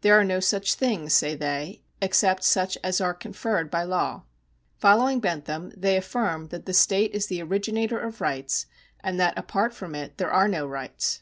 There are no such things, say they, except such as are conferred by law. Following Bentham, they Jiffirm that the state is the originator of rights, and that apart from it there are no rights."